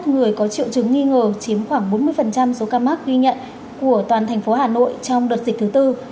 hai mươi người có triệu chứng nghi ngờ chiếm khoảng bốn mươi số ca mắc ghi nhận của toàn thành phố hà nội trong đợt dịch thứ tư